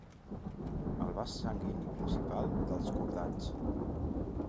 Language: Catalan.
El vas sanguini principal dels cordats.